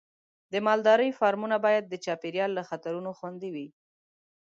د مالدارۍ فارمونه باید د چاپېریال له خطرونو خوندي وي.